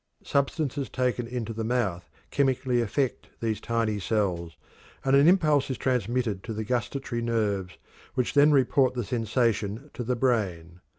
Substances taken into the mouth chemically affect these tiny cells, and an impulse is transmitted to the gustatory nerves, which then report the sensation to the brain.